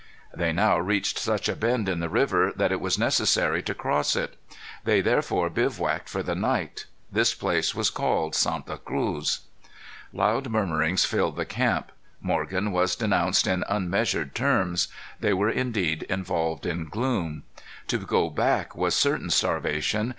They now reached such a bend in the river that it was necessary to cross it. They therefore bivouacked for the night. This place was called Santa Cruz. Loud murmurings filled the camp. Morgan was denounced in unmeasured terms. They were indeed involved in gloom. To go back was certain starvation.